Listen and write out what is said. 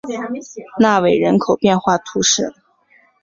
纳韦人口变化图示